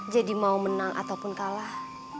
jadi mau menang ataupun kalah